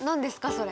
それ。